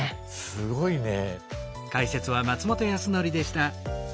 すごいね。